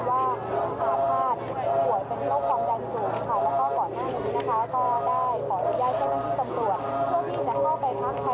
แล้วก็พบว่าพระสูงสุขลูกค่ะก็มีเอกสารที่ยังว่าอาภาษณ์ห่วยเป็นโรคความแรงสูงนะคะ